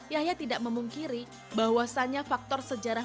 yahya tidak memungkiri bahwasannya faktor sejarah